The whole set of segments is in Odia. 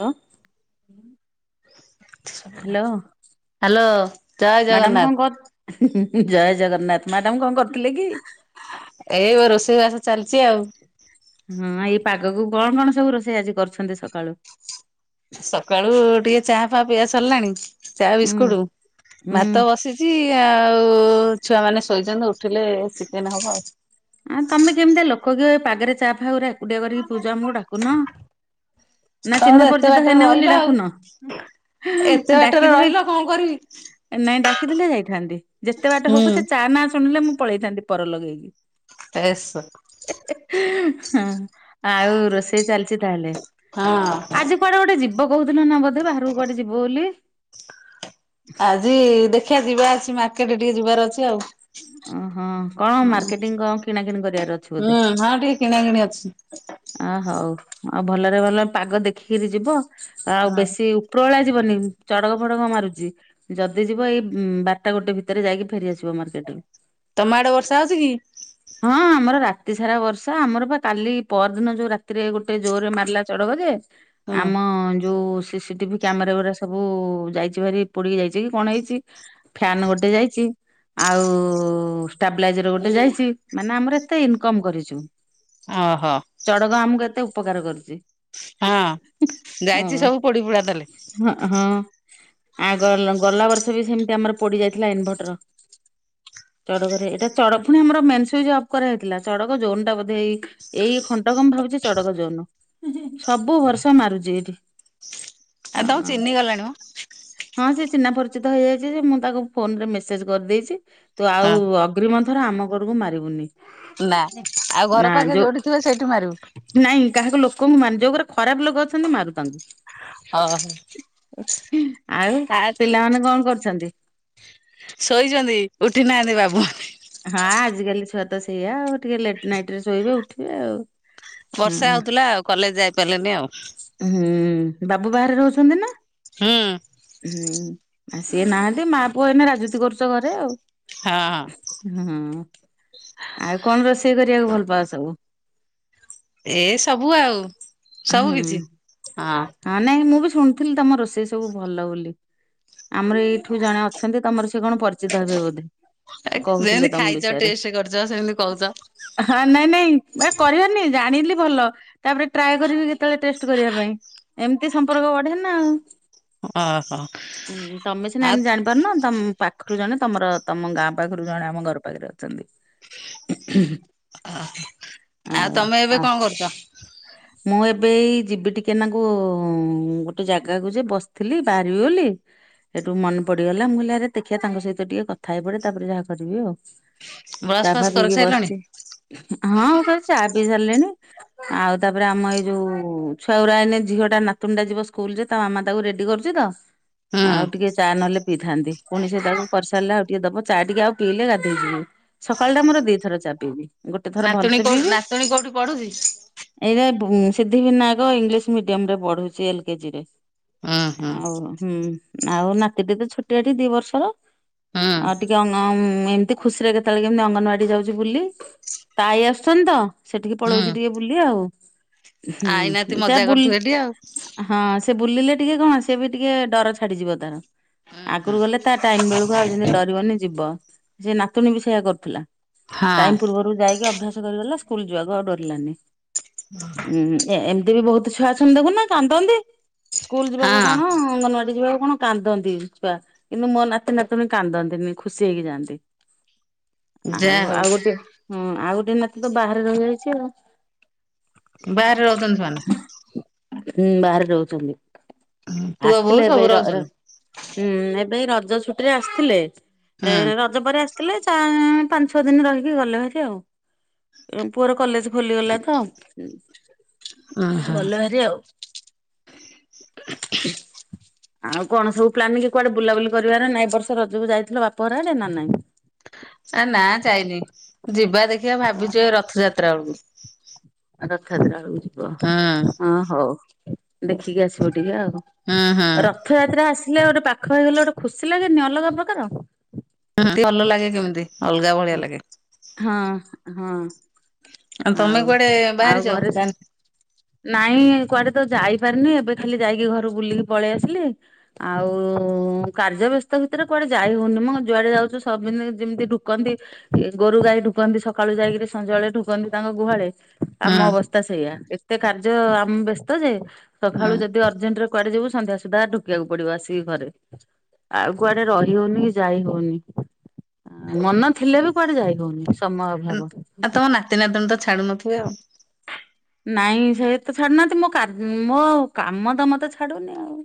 ହ ହ୍ୟାଲୋ ହ୍ୟାଲୋ ଜୟ ମ୍ୟାଡାମ ଜଗନ୍ନାଥ କଣ କହ ହୁଁ ହୁଁ ଜୟ ଜଗନ୍ନାଥ ମ୍ୟାଡାମ କଣ କରୁ ଏଇ ରୋଷେଇ ବାସ ଚାଲିଚି ଆଉ। ହଁ ଏଇ ପାଗକୁ କଣ କଣ ସବୁ ରୋଷେଇ ଆଜି କରୁଛନ୍ତି ସକାଳୁ? ସକାଳୁ ଟିକେ ଚାହା ଫାହା ପିଆ ସରିଲାଣି। ଚା ହୁଁ। ବିସ୍କୁଟ ହୁଁ ଭାତ ବସିଚି ଆଉ ଛୁଆମାନେ ଶୋଇଛନ୍ତି ଉ ଉଠିଲେ ଚିକେନ ହବ। ଆଁ ତମେ କେମିତିଆ ଲୋକ କିଓ ଏ ପାଗରେ ଚା ଫା ଉରା ଏକୁଟିଆ କରିକି ପିଉଚ ଆମକୁ ଡାକୁନ ନା ତମେ ତ ଚିହ୍ନା ଏତେ ପରିଚିତ ବାଟରେ ହେଇନି ବୋଲି ରହିଲ ଆଉ ଡାକୁନ ଏତେ ଡାକି ବାଟରେ ରହିଲ କଣ କରିବି ନାଇଁ ଡାକିଥିଲେ ଯାଇଥାନ୍ତି ଯେତେ ବାଟ ହଉ ହୁଁ ପଛ ଚା ନା ଶୁଣିଲେ ମୁଁ ପଳେଇଥାନ୍ତି ପର ଲଗେଇକି। ଏସ ହୁଁ ଆଉ ରୋଷେଇ ଚାଲିଚି ତାହେଲେ ହଁ ଆଜି କୁଆଡେ ଗୋଟେ ଯିବ କହୁଥିଲ ନା ବୋଧେ ବାହାରକୁ କୁଆଡେ ଯିବ ବୋଲି? ଆଜି ଦେଖିବା ଯିବା ଅଛି ମାର୍କେଟରେ ଟିକେ ଯିବାର ଅଛି ଆଉ। ଓହୋ କଣ ମାର୍କେଟିଂ କ କିଣା କିିଣି କରିବାର ଅଛି ବୋଧେ। ହୁଁ ହଁ ଟିକେ କିଣା କିିଣି ଅଛି ଅ ହଉ ଆଉ ଭଲରେ ଭଲ ପାଗ ଦେଖିକିରି ଯିବ ଆଉ ହଁ ବେଶୀ ଉପରଳା ଯିବନି ଚଡକ ଫଡକ ମାରୁଚି ଯଦି ଯିବ ଏଇ ଉଁ ବାରଟା ଗୋଟେ ଭିତରେ ଯାଇକି ଫେରିଆସିବ ମାର୍କେଟରୁ। ତମ ଆଡେ ବର୍ଷା ହଉଛି କି? ହଁ ଆମର ରା ରାତି ସାରା ବର୍ଷା ଆମର ପା କାଲି ପରଦିନ ଯୋଉ ରାତିରେ ଗୋଟେ ଜୋରରେ ମାରିଲା ଚଡକ ଯେ ହୁଁ ଆମ ଯୋଉ ସିସିଟିଭି କ୍ୟାମେରା ଗୁରା ସବୁ ଯାଇଛି ଭାରି ପୋଡ଼ି ଯାଇଛି କି କଣ ହେଇଛି ଫ୍ୟାନ ଗୋଟେ ଯାଇଚି। ଆଉ ଷ୍ଟେବଲାଇଜର ଗୋଟେ ଯାଇଚି ମାନେ ଆମର ଏତେ ଇନକମ କରିଚୁ। ଓହୋ ଚଡ଼କ ଆମକୁ ଏତେ ଉପକାର କରୁଚି। ହଁ ଯାଇଛି ହଁ ସବୁ ପୋଡି ପୋଡା ତାହେଲେ। ହଁ ହଁ । ଆ ଗ ଗଲା ବର୍ଷ ବି ସେମତି ଆମର ପୋଡି ଯାଇଥିଲା ଇନଭଟର। ଚଡ଼କରେ ଏଇଟା ଚଡ଼ ପୁଣି ଆମର ମେନ୍ ସୁଇଚ ଅଫ କରା ହେଇଥିଲା ଚଢକ ଜୋନ୍ ଟା ବୋଧେ ଏଇ ଏଇ ଖଣ୍ଡକ ମୁଁ ଭାବୁଚି ଚଡକ ଯୋନ ସବୁ ବର୍ଷ ମାରୁଚି ଏଇଠି। ଆଉ ତମ ହଁ। ଚିହ୍ନି ଗଲାଣି ମ। ହଁ ସେ ଚିହ୍ନା ପରିଚିତ ହେଇଯାଇଚି ଯେ ମୁଁ ତାକୁ ଫୋନରେ ମେସେଜ କରିଦେଇଚି ତୁ ଆଉ ହଁ। ଅଗ୍ରି ମଂଥ ରେ ଆମ ଘର ମାରିବୁନି। ନା ଆଉ ନା ଘର ପାଖେ ଯୋଉ ଯୋଉଠି ଥିବ ସେଇଠି ମାରିବୁ। ମାନ ଯୋଉଁ ମାନେ ଖରାପ ଲୋକ ଅଛନ୍ତି ମାରୁ ତାଙ୍କୁ। ଓ। ଆଉ ପିଲାମାନେ କଣ କରୁଛନ୍ତି। ଶୋଇଛନ୍ତି ଉଠି ନାହାନ୍ତି ବାବୁ। ହଁ ଆଜିକାଲି ଛୁଆ ତ ସେଇଆ ଆଉ ଟିକେ ଲେଟ୍ ନାଇଟ ରେ ଶୋଇବେ ଉଠିବେ ଆଉ। ହଁ ବର୍ଷା ହଉଥିଲା ଆଉ କଲେଜ ଯାଇ ପାରିଲେନି ଆଉ। ହୁଁ ବାବୁ ବାହାରେ ରହୁଛନ୍ତି ନା? ହୁଁ। ହୁଁ ଆଉ ସିଏ ନାହାନ୍ତି ମା ପୁଅ ଏଇନେ ରାଜୁତି କରୁଛ ଘରେ ଆଉ। ହଁ। ହଁ ହୁଁ ଆଉ କଣ ରୋଷେଇ କରି କୁ ଭଲ ପାଓ ସବୁ। ଏ ସବୁ ଆଉ। ସବୁ ହୁଁ କିଛି ହଁ ନାଇଁ ମୁଁ ବି ଶୁଣିଥିଲି ତମ ରୋଷେଇ ସବୁ ଭଲ ବୋଲି ଆମର ଏଇଠୁ ଜଣେ ଅଛନ୍ତି ତମର ସେ କଣ ପରିଚିତ ହେବେ ବୋଧେ ସେ କହୁଥିଲେ ଯେମିତି ତମ ଖାଇଛ ବିଷୟରେ। ଟେଷ୍ଟ କରିଛ ସେମିତି କହୁଛ ହଁ ନାଇଁ ନାଇଁ ଏ କରିବାର ନାଇ ଜାଣିଲି ଭଲ ତାପରେ ଟ୍ରାଏ କରିବି ଯେତେବେଳେ ଟେଷ୍ଟ କରିବା ପାଇଁ ଏମିତି ସମ୍ପର୍କ ବଢେ ନା ଆଉ। ଓହୋ ତମେ ସିନା ଆଉ ଏମିତି ଜାଣିପାରୁନ ତମ ପାଖ ରୁ ଜଣେ ତମର ତମ ଗାଁ ପାଖରୁ ଜଣେ ଆମ ଘର ପାଖରେ ଅଛନ୍ତି। ଆଉ ତମେ ଏବେ କଣ କରୁଛ? ମୁଁ ଏବେଇ ଯିବି ଟିକେ ନାଙ୍କୁ ଗୋଟେ ଜାଗାକୁ ଯେ ବସିଥିଲି ବାହାରିବି ବୋଲି। ସେଠୁ ମନେ ପଡିଗଲା ମୁଁ କହିଲି ଆରେ ଦେଖିବା ତାଙ୍କ ସହିତ ଟିକେ କଥା ହେଇ ପଡେ ତାପରେ ଯାହା କରିବି ଆଉ। ଚା ବ୍ରସ୍ ଫା ଫ୍ରସ୍ କରି ପିଇକି ସାରିଲଣି ବସିଛି ହଁ କରଛି ଚା ପିଇ ସାରିଲିଣି ଆଉ ତା ତାପରେ ଆମ ଏଇ ଯୋଉ ଛୁଆଗୁରା ଆଣେ ଝିଅ ଟା ନାତୁଣି ଟା ଯିବ ସ୍କୁଲ ଯେ ତା ମାମା ତାକୁ ରେଡି କରୁଛି ତ। ହୁଁ। ଆଉ ଟିକେ ଚା ନହେଲେ ପିଇଥାନ୍ତି ପୁଣି ସେ ତାକୁ କରିସାରିଲେ ଆଉ ଟିକେ ଦବ ଚା ଟିକେ ଆଉ ପିଇଲେ ଗାଧେଇ ଯିବି। ସକାଳ ଟା ମୋର ଦି ଥର ଚା ପିଇବି ଗୋଟେ ଥର ନାତୁଣୀ ଭଲସେ କୋଉ ପିଇବି ନାତୁଣୀ କୋଉଠି ପଢୁଛି? ତା ଭୁଁ ସିଦ୍ଧି ବିନାୟକ ଇଂଲିଶ ମିଡିୟମ ରେ ପଢୁଛି ଏଲ କେଜି ରେ। ହୁଁ ହୁଁ ଆଉ ହୁଁ ଆଉ ନାତି ଟେ ତ ଛୋଟିଆଟେ ଦି ବର୍ଷର। ହୁଁ ଆଉ ଟିକେ ଆନଉ ଏମିତି ଖୁସିରେ କେତେବେଳେ କେମିତି ଅଙ୍ଗନବାଡି ଯାଉଛି ବୁଲି। ତା ଆଇ ଆସୁଛନ୍ତି ତ ସେଠିକେ ହୁଁ ପଳଉଛି ଟିକେ ବୁଲି ଆଉ। ହୁଁ ଆଇନାତି ତା ମଜା ବୁଲ୍ କରୁଥିବେ ଟି ଆଉ। ହଁ ସେ ବୁଲିଲେ ଟିକେ କଣ ସେ ବି ଟିକେ ଡର ଛାଡିଯିବ ତାର। ହୁଁ ହୁଁ ଆଗୁରୁ ଗଲେ ତା ଟାଇମ ବେଳକୁ ଆଉ ଯେମିତି ଡରିବନି ଯିବ ଯେ ନାତୁଣୀ ବି ସେଇୟଆ କରୁଥିଲା। ହଁ ଟାଇମ ପୂର୍ବରୁ ଯାଇକି ଅଭ୍ୟାସ କରିଦଲା ସ୍କୁଲ ଯିବାକୁ ଆଉ ଡରିଲାନି। ଉଁ ଏ ଏମିତି ବି ବହୁତ ଛୁଆ ଅଛନ୍ତି ଦେଖୁନ କାନ୍ଦନ୍ତି। ସ୍କୁଲ ଯିବାକୁ ହଁ କଣ ଅଙ୍ଗନୱାଡି ଯିବାକୁ କଣ କାନ୍ଦନ୍ତି ଛୁଆ କିନ୍ତୁ ମୋ ନାତି ନାତିଣୀ କାନ୍ଦନ୍ତିନି ଖୁସି ହେଇକି ଯାଆନ୍ତି। ଆଉ ଯାହା ହଉ ଆଉ ଗୋଟେ ହଁ ଆଉ ଗୋଟେ ନାତି ତ ବାହାରେ ରହିଯାଇଛି ଆଉ। ବାହାରେ ରହୁଛନ୍ତି ସେମାନେ ହୁଁ ବାହାରେ ରହୁଛନ୍ତି ପୁଅ ବୋହୂ ଆସିଥିଲେ ଏବେ ସବୁ ଏଇ ର ର୍ ରହୁଛନ୍ତି ହଁ ଏବେ ଇ ର ରଜ ଛୁଟିରେ ଆସିଥିଲେ ଏ ରଜ ପରେ ଆସି ଥିଲେ ଚା ପାଞ୍ଚ ଛଅ ଦିନ ରହିକି ଗଲେ ହେରି ଆଉ ପୁଅର କଲେଜ ଖୋଲିଗଲା ତ ହୁଁ ଗଲେ ହେରି ଆଉ। [inaudible] ଆଉ କଣ ସବୁ ପ୍ଲାନିଗ୍ କୁଆଡେ ବୁଲାବୁଲି କରିବାର ନାଇଁ ଏବର୍ଷ ରଜକୁ ଯାଇଥିଲ ବାପ ଘର ଆଡେ ନା ନାଇଁ? ଆ ନା ଯାଇନି ଯିବା ଦେଖିବା ଭାବିଛୁ ଓହୋ। ଏ ରଥଯାତ୍ରା ବେଳକୁ ରଥୟାତ୍ରା ବେଳକୁ ହୁଁ ଯିବ ହଁ ହଉ ଦେଖିକି ଆସିବ ଟିକେ ଆଉ। ହୁଁ ହୁଁ ରଥଯାତ୍ରା ଆସିଲେ ଗୋଟେ ପାଖ ହେଇଗଲେ ଗୋଟେ ଖୁସି ଲାଗେନି ଅଲଗା ପ୍ରକାର। ଭଲ ଲାଗେ କେମିତି ଅଲଗା ଭଳିଆ ଲାଗେ। ହଁ ହଁ ତମେ ଆଉ କୁଆଡେ ଆଉ ବାହାରିଛ ଘରେ ପ୍ଲାନ୍ ନାଇଁ ନାଇଁ କୁଆଡେ ତ ଯାଇପାରିନି ଏବେ ଖାଲି ଯାଇକି ଘରୁ ବୁଲିକି ପଳେଇ ଆସିଲି ଆଉ କାର୍ଯ୍ୟ ବ୍ୟସ୍ତ ଭିତରେ କୁଆଡେ ଯାଇ ହଉନି ମ ଯୁଆଡେ ଯାଉଛ ସବିନେ ଯେମିତି କନ୍ତି ଗୋରୁ ଗାଈ ଢୁକନ୍ତି ସକାଳୁ ଯାଇକିରି ସଞ୍ଜ ବେଳେ ଢ଼ୁକନ୍ତି ତାଙ୍କ ଗୁହାଳେ ହୁଁ ଆମ ଅବସ୍ଥା ସେଇଆା ଏତେ କାର୍ଯ୍ୟ ଆମ ବ୍ୟସ୍ତ ଯେ ହୁଁ ସକାଳୁ ଯଦି ଅର୍ଜେଣ୍ଟରେ କୁଆଡେ ଯିବୁ ସନ୍ଧ୍ୟା ସୁଦ୍ଧା ଢୁକିବାକୁ ପଡିବ ଆସିକି ଘରେ। ଆଉ କୁଆଡେ ରହି ହଉନି କି ଯାଇ ହଉନି। ମନ ଥିଲେ ବି କୁଆଡେ ଯାଇ ହଉନି ସମୟ ଅଭାବ। ଆଉ ତମ ନାତି ନାତିଣୀ ତ ଛାଡୁ ନଥିବେ ଆଉ। ନାଇଁ ସେ ତ ଛାଡୁନାହାନ୍ତି ମୋ କା ମୋ କାମ ତ ମତେ ଛାଡୁନି ଆଉ।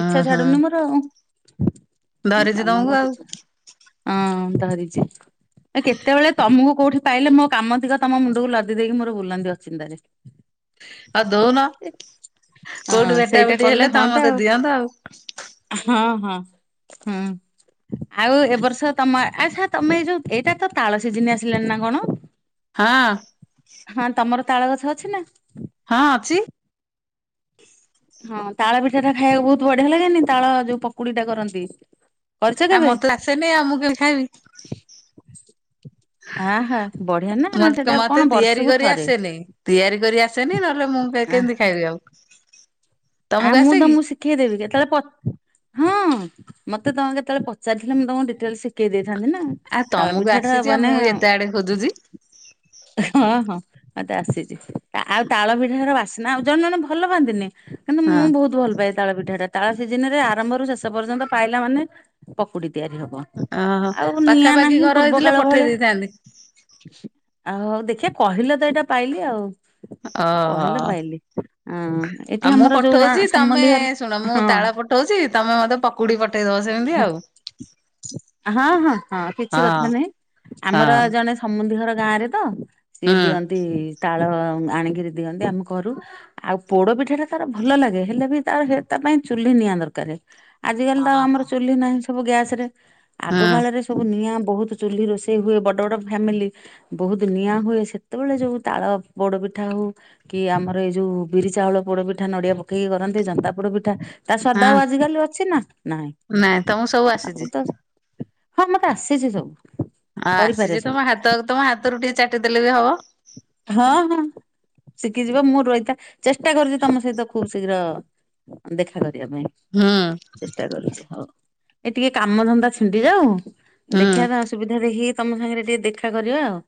ଉଁ ହୁଁ ଛାଡୁନି ମୋର ହଁ। ଧରିଛି ତମକୁ ଆଉ ଧରିଛି। ଏ କେତେବେଳେ ତମୁକୁ କୋଉଠି ପାଇଲେ ମୋ କାମ ତିକ ତମ ମୁଣ୍ଡୁକୁ ଲଦି ଦେଇକି ମୋର ବୁଲନ୍ତି ଅଚିନ୍ତାରେ। ଆ ଦଉନ। କୋଉଠି ହଁ ଭେଟା ସେଇଟା ଭେଟି କଲେ ହେଲେ ତମ ହଅନ୍ତା ମତେ ଆଉ ଦିଅନ୍ତ ଆଉ। ହଁ ହଁ ହୁଁ। ଆଉ ଏ ବର୍ଷ ତମ ଆଛା ତମେ ଯୋଉ ଏଇଟା ତ ତାଳ ସିଝିନି ଆସିଲଣିି ନା କଣ? ହଁ ହଁ ତମର ତାଳ ଗଛ ଅଛି ନା। ହଁ ଅଛି। ହଁ ତାଳ ପିଠା ଟା ଖାଇବାକୁ ବହୁତ ବଢିଆ ଲାଗେନି ତାଳ ଯୋଉ ପକୁଡି ଟା କରନ୍ତି। କରିଛ ଆଉ କେବେ? ମତେ ଆସେନି ଆଉ ମୁଁ କେମିତି ଖାଇବି? [inaudible] ବଢିଆ ନା ସେଟା ମତେ କଣ ମତେ ତିଆରି ବର୍ଷକୁ କରି ଥରେ ଆସେନି ତିଆରି କରି ଆସେନି ନହେଲେ ମୁଁ ଆ କେମିତି ଖାଇବି ଆଉ? [inaudible] ଆ ମୁଁ ଆସେ କି? ତମକୁ ଶିଖେଇଦେବି କେତେବେଳେ ପ ହଁ ମତେ ତମେ କେତେବେଳେ ପଚାରିଥିଲେ ମୁଁ ତମ ଡିଟେଲ ଶିି ସିକେଇ ଦେଇଥାନ୍ତି ନା ଆ ତାଳ ତମକୁ ପିଠା ଟା ଆସିଛି ଆଉ ମାନେ ମୁଁ ଏତେ ଆଡେ ଖୋଜୁଛି ହଁ ହଁ। ମତେ ଆସିଛି ଆଉ ତାଳ ଭିଡି ର ବାସିନା ଆଉ ଜଣେ ଜଣେ ଭଲ ପାଆନ୍ତିନି। କିନ୍ତୁ ହଁ ମୁଁ ବହୁତ ଭଲ ପାଏ ତାଳ ପିଠା ଟା ତାଳ ସିଜନ ରେ ଆରମ୍ଭରୁ ଶେଷ ପର୍ଯ୍ୟନ୍ତ ପାଇଲା ମାନେ ପକୁଡି ତିଆରି ହବ ଓହୋ। ଆଉ ନିଆଁ ପାଖାପାଖି ନାହିଁ ଘର ପୂର୍ବ ହେଇଥିଲେ କାଳ ପଠେଇ ଭଳିଆ ଦେଇଥାନ୍ତି ଆଉ ହଉ ଦେଖିବା କହିଲେ ତ ଏଇଟା ପାଇଲି ଆଉ। କହିଲ ଓହୋ। ପାଇଲି ଉଁ । ଆଉ ମୁଁ ପଠଉଛି ତମେ ଶୁଣ ମୁଁ ହଁ ତାଳ ପଠଉଛି ତମେ ମତେ ପକୁଡି ପଠେଇଦବ ସେମିତି ଆଉ ହଁ ହଁ ହଁ କିଛି କଥା ହଁ ନାହିଁ ଆମର ହଁ ଜଣେ ସମୁନ୍ଦିଘର। ଗାଁ ରେ ତ ସିଏ ହୁଁ ଦିଅନ୍ତି। ତାଳ ଆଣିକିରି ଦିଅନ୍ତି ଆମେ କରୁ ଆଉ ପୋଡ ପିଠାଟା ତାର ଭଲ ଲାଗେ ହେଲେ ବି ତ ସେ ତା ପାଇଁ ଚୁଲି ନିଆଁ ଦରକାର ଆଜିକାଲି ତ ଆମର ଚୁଲି ନାହିଁ। ଗ୍ୟାସ ରେ ଆଗ ହୁଁ କାଳ ରେ ସବୁ ନିଆଁ ବହୁତ ଚୁ ରୋଷେଇ ହୁଏ ବଡ ବଡ ଫାମିଲି ବହୁତ ନିଆଁ ହୁଏ ସେତେବେଳେ ଯୋଉ ତାଳ ପୋଡ଼ ପି ପିଠା ହଉ କି ଆମର ଏଇ ଯୋଉ ବିରି ଚାଉଳ ପୋଡ ପିଠା ପିଠା ନଡିଆ ପକେଇକି କରନ୍ତି ଜନ୍ତାପୋଡ଼ ପିଠା ତା ସ୍ୱାଦ ଆଉ ହଁ ଆଜିିକାଲି ଅଛି ନା। ନାଇଁ ନାଇଁ ତମକୁ ସବୁ ଆସିଛି। ଆଉ ତ ହଁ ମତେ ଆସିଛି ସବୁ। ଆଉ କରିପାରେ ଆସିଛି ସବୁ ତମ ହାତ ତମ ହାତରୁ ଟିକେ ଚାଟିଦେଲେ ବି ହବ। ହଁ ହଁ। ଶିଖିଯିବ ମୁଁ ରହିଥା ଚେଷ୍ଟା କରୁଛି ତମ ସହିତ ଖୁବ ଶୀଘ୍ର ଦେଖା କରିଛି। ହୁଁ ଚେଷ୍ଟା କରୁଛି ହୋଉ ଏ ଟିକେ କାମଧନ୍ଦା ଛିଣ୍ଡି ଯାଉ। ହୁଁ। ଦେଖିବା ତ ଅସୁବିଧା ଦେଖି ତମ ସାଙ୍ଗରେ ଟିକେ ଦେଖା କରିବା ଆଉ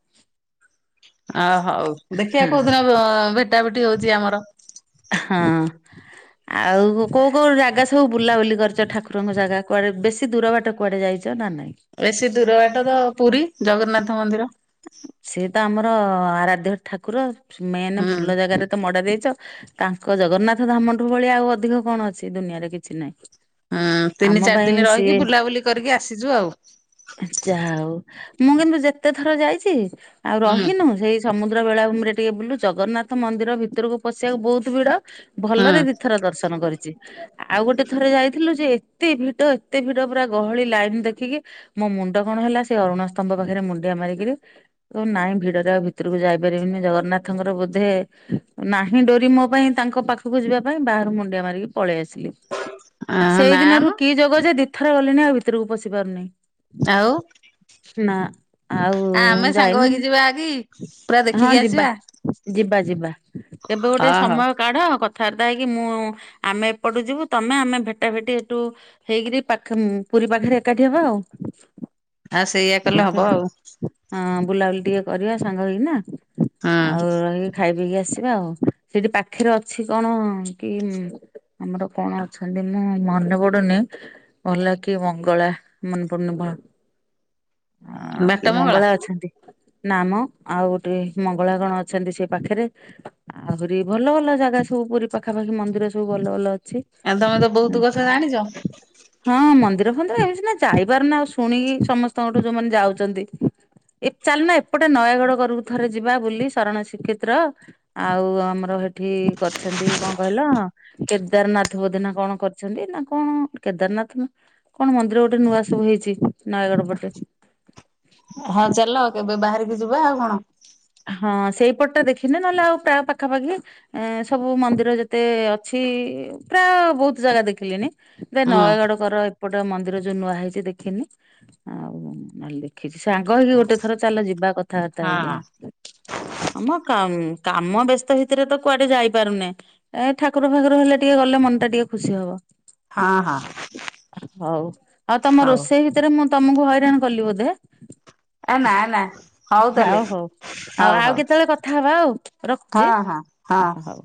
ଅ ହଉ ଦେଖିବା ହଁ କୋଉଦିନ ଭେଟା ଭେଟି ହଉଛି ଆମର। ହଁ। ଆଉ କୋଉ କୋଉ ଜାଗା ସବୁ ବୁଲାବୁଲି କରିଛ ଠାକୁରଙ୍କ ଜାଗା କୁଆଡେ ବେଶୀ ଦୂର ବାଟ କୁଆଡେ ଯାଇଛ। ନା ନାଇଁ? ବେଶୀ ଦୂର ବାଟ ତ ପୁରୀ ଜଗନ୍ନାଥ ମନ୍ଦିର। ସେ ତ ଆମର ଆରାଧ୍ୟ ଠାକୁର ମେନ୍ ହୁଁ। ଭଲ ଜାଗାରେ ତ ମଡା ଦେଇ ତାଙ୍କ ଜଗନ୍ନାଥ ଧାମଠୁ ଭଳି ଆଉ ଅଧିକ କଣ ଅଛି ଦୁନିଆରେ କିଛି ନାହିଁ। ହୁଁ ଆମ ତିନି ଚାରି ପାଇଁ ଦିନ ସିଏ ରହିକି ବୁଲାବୁଲି କରିକି ଆସିଛୁ ଆଉ। ଯାହା ହୋଉ ମୁଁ କିନ୍ତୁ ଯେତେ ଥର ଯାଇଛି। ଆଉ ହୁଁ ରହିନୁ ସେଇ ସମୁଦ୍ର ବେଳାମରେ ଟିକେ ବୁଲ ଜଗନ୍ନାଥ ମନ୍ଦିର ଭିତରକୁ ପଶିବାକୁ ବହୁତ ଭିଡ ହୁଁ। ଭଲରେ ଦିଇଥର ଦର୍ଶନ କରିଛି। ଆଉ ଗୋଟେ ଥରେ ଯାଇଥିଲୁ ଯେ ଏତେ ଭିଡ ଏତେ ଭିଡ ପୁରା ଗହଳି ଲାଇନ ଦେଖିକି ମୋ ମୁଣ୍ଡ କଣ ହେଲା ସେ ଅରୁଣ ସ୍ତମ୍ଭ ପାଖରେ ମୁଣ୍ଡିଆ ମାରିକି ନାଇଁ ଭିଡରେ ଆଉ ଭିତରକୁ ଯାଇପାରିବି। ଜଗନ୍ନାଥଙ୍କର ବୋଧେ ନାହିଁ ଡୋରି ମୋ ପାଇଁ ତାଙ୍କ ପାଖକୁ ଯିବା ପାଇଁ ବାହାରୁ ମୁଣ୍ଡିଆ ମାରିକି ପଳେଇ ଆସିଲି। ସେଇ ନାମ ଦିନଠୁ କି ଯୋଗ ଯେ ଦିଥର ଗଲିଣିି ଆଉ ଭିତରକୁ ପଶି ପାରୁନି ଆଉ। ନା ଆଉ ଆମେ ସାଙ୍ଗ ଯାଇନି ହେଇକି ଯିବା କି? ପୁରା ହଁ ଦେଖିକି ଯିବା। ଆସିବା ଯିବା ଯିବା କେବେ ହଁ ଗୋଟେ ହଉ ସମୟ କାଢ କଥା କଥା ବାର୍ତ୍ତା ହେଇକି ମୁଁ ଆମେ ଏପଟୁ ଯିବୁ ତମେ ଆମେ ଭେଟା ଭେଟି ଏଠୁ ହେଇକରି ପାଖ ପୁରୀ ପାଖରେ ଏକାଠି ହବା ଆଉ। ଆଉ ସେଇୟଆ କଲେ ହବ ଆଉ। ହଁ ବୁଲାବୁଲି ଟିକେ କରିବା ସାଙ୍ଗ ହେଇକିନା ହୁଁ ଆଉ ର ଖାଇବା ଆସିବା ଆଉ ସେଇଠି ପାଖରେ ଅଛି କଣ କି ଆମର କଣ ଅଛନ୍ତି ମୁଁ ମନେ ପଡୁନି ଭଲ କି ମଙ୍ଗଳା ମନେ ପଡୁନି। ହ ବାଟ ମଙ୍ଗଳା? ନାମ ଆଉ ଗୋଟେ ମଙ୍ଗଳା କଣ ଅଛନ୍ତି ସେ ପାଖରେ ଆହୁରି ଭଲ ଭଲ ଅ ଜାଗା ସବୁ ପୁରୀ ପାଖାପାଖି ମଦୀର ସବୁ ଭଲ ଅଛି। ଆଉ ତମେ ତ ବହୁତ କଥା ଜାଣିଛ ହଁ ମନ୍ଦିର ରୁହତ୍ନ୍ତେ ସିନା ଯାଇପାରୁନା ଆଉ ଶୁଣିକି ସମସ୍ତଙ୍କଠୁ ଯୋଉମାନେ ଯାଉଛନ୍ତି। ଏ ଚାଲ ନା ଏପଟେ ନୟାଗଡ କରକୁ ଥରେ ଯିବା ବୋଲିୁ ଶରଣ ଶ୍ରୀକ୍ଷେତ୍ର ଆଉ ଆମର ଏଠି କରିଛନ୍ତି କଣ କହିଲ କେଦାରନାଥ ବୋଧେନା କଣ କରିଛନ୍ତି ନା କଣ କୋର କେଦାରନାଥ କଣ ମନ୍ଦିର ଗୋଟେ ନୂଆ ସବୁ ହେଇଛି ନୟାଗଡ ପଟେ। ହଁ ଚାଲ କେବେ ବାହାରିକି ଯିବା ଆଉ କଣ। ହଁ ସେଇପଟଟା ଦେଖିନି ନହେଲେ ଆଉପାରୟ ପାଖାପାଖି ଏ ସବୁ ମନ୍ଦିର ଯେତେ ଅଛି ପ୍ରାୟ ବହୁତ ଜାଗା ଦେଖିଲିିନି ଯେ ନୟାଗଡଙ୍କର। ଏପଟେ ମନ୍ଦିର ଯୋଉ ନୂଆ ହେଇଛି ଦେଖିନି ଆଉ ନହେଲେ ଦେଖିଛି ସାଙ୍ଗ ହେଇକି ଗୋଟେ ଥର ଚାଲ ଯିବା କଥା କଥା ବାତ୍ତା ହଁ ହୋଇଯିବ ଆମ କାମ ହୁଁ କାମ ବ୍ୟସ୍ତ ଭିତରେ ତ କୁଆଡେ ଯାଇପାରୁନେ ଏ ଠାକୁର ଫାକୁର ହେଲେ ଟିକେ ଗଲେ ମନ ଟା ଟିକେ ଖୁସି ହବ। ହଁ ହଁ ହଉ ଆଉ ତମ ହଉ ରୋଷେଇ ଭିତରେ ମୁଁ ତମକୁ ହଇରାଣ କଲି ବୋଧେ? ଏ ନା ନା ଆଉ ହଉତାହେଲେ। ହଉ। ଆଉ ଆଉ କେତେବେଳେ କଥା ହବା ଆଉ ରଖୁଛି ହଁ ହଁ ଓ ହଁ। ହଉ।